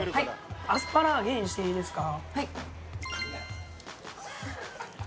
アスパラアゲインしていいですか。